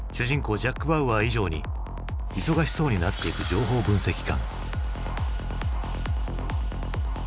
ジャック・バウアー以上に忙しそうになっていく情報分析官。